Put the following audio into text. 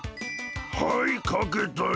はいかけたよ。